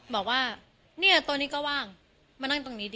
บอกว่าเนี่ยตัวนี้ก็ว่างมานั่งตรงนี้ดิ